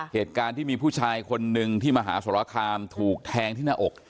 เหตุการณ์ที่มีผู้ชายคนหนึ่งที่มหาสรคามถูกแทงที่หน้าอก